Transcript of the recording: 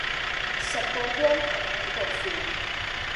十個光頭九個富